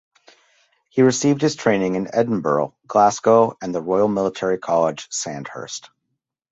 He received his training in Edinburgh, Glasgow, and the Royal Military College, Sandhurst.